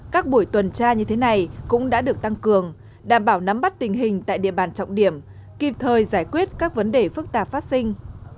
các buổi tuần tra như thế này cũng đã được tăng cường đảm bảo nắm bắt tình hình tại địa bàn trọng điểm kịp thời giải quyết các vấn đề phức tạp phát sinh